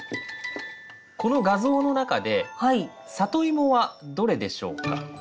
この画像の中でサトイモはどれでしょうか？